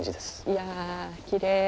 いやきれい。